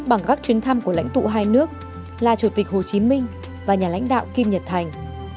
bằng các chuyến thăm của lãnh tụ hai nước là chủ tịch hồ chí minh và nhà lãnh đạo kim nhật thành